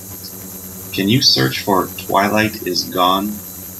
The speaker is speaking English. Can you search for Twilight Is Gone?